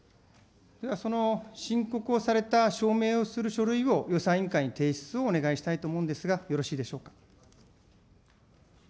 その申告をされた証明をする書類を予算委員会に提出をお願いしたいと思うんですが、よろしいでしょうか。